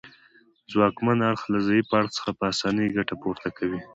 ځواکمن اړخ له ضعیف اړخ څخه په اسانۍ ګټه پورته کوي